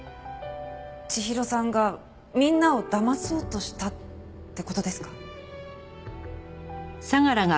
千尋さんがみんなをだまそうとしたって事ですか？